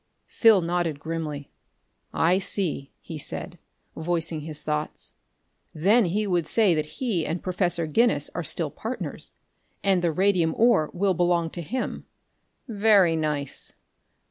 Phil nodded grimly. "I see," he said, voicing his thoughts. "Then he would say that he and Professor Guinness are still partners and the radium ore will belong to him. Very nice.